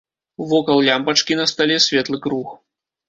Вокал лямпачкі на стале светлы круг.